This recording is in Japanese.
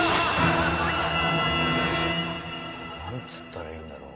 なんつったらいいんだろう。